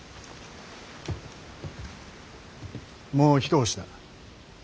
もう一押しだ。